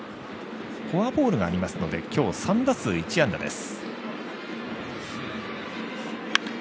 フォアボールがありますので今日、３打数１安打です。